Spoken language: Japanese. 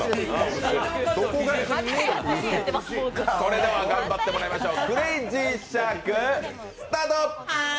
それでは頑張ってもらいましょう。